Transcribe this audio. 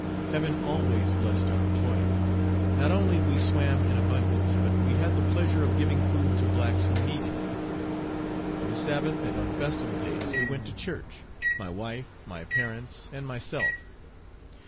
Heaven always blessed our toil. Not only we swam in abundance, but we had the pleasure of giving food to blacks who needed it. On the Sabbath and on festival days we went to church, my wife, my parents, and myself.